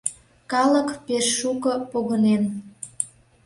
Калык пеш шуко погынен.